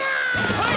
はい！